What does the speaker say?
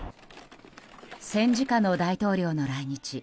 戦時下の大統領の来日。